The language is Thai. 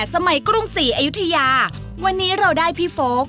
สวัสดีค่ะพี่โฟก